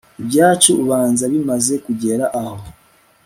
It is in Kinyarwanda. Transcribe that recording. ibyacu ubanza bimaze kugera aho